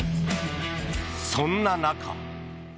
そんな中。